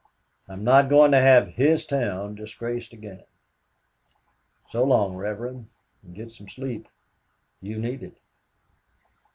I'm not going to have his town disgraced again. So long, Reverend, and get some sleep. You need it."